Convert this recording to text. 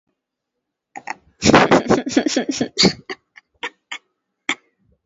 rangi ya kijaniwakati wa masikaMkalangorangi ya nyeusiwakati wa kiangazi na